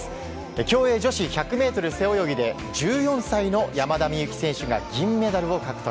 競泳女子１００ｍ背泳ぎで１４歳の山田美幸選手が銀メダルを獲得。